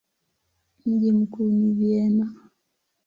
Mji mkuu ni Vienna.